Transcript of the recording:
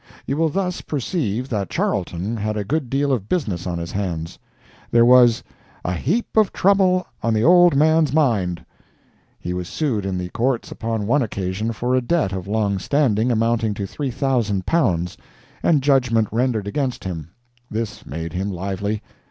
You will thus perceive that Charlton had a good deal of business on his hands. There was "a heap of trouble on the old man's mind." He was sued in the Courts upon one occasion for a debt of long standing, amounting to 3,000 pounds, and judgment rendered against him. This made him lively.